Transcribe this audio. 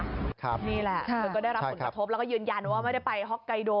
นี่แหละเธอก็ได้รับผลกระทบแล้วก็ยืนยันว่าไม่ได้ไปฮอกไกโด